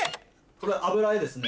これ油絵ですね。